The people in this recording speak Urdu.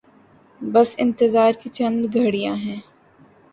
بس انتظار کی چند گھڑیاں ہیں۔